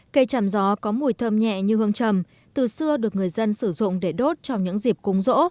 cây tràm gió có mùi thơm nhẹ như hương trầm từ xưa được người dân sử dụng để đốt trong những dịp cung rỗ